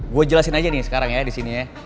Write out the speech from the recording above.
gue jelasin aja nih sekarang ya disini ya